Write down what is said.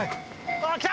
ああ来た！